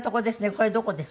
これどこです？